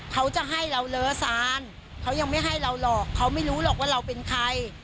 เขาจะให้เราเลอซานเขายังไม่ให้เราหรอกเขาไม่รู้หรอกว่าเราเป็นใคร